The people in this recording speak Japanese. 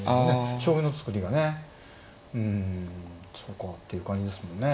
将棋の作りがねうんそうかっていう感じですもんね。